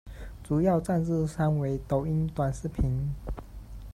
主要赞助商为抖音短视频。